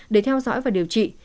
để theo dõi và điều trị